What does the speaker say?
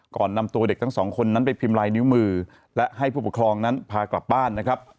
ก่อนนำตัวเด็กทั้งสองคนนั้นไปพิมพ์ลายนิ้วมือและให้ผู้ปกครองนั้นพากลับบ้านนะครับ